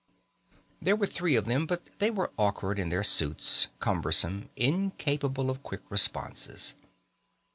There were three of them, but they were awkward in their suits, cumbersome, incapable of quick responses.